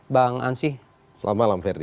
bang ansi selamat malam ferdin